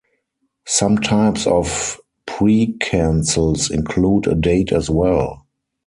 Some types of precancels include a date as well.